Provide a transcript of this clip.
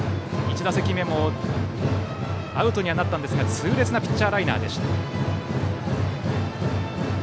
１打席目もアウトにはなったんですが痛烈なピッチャーライナーでした。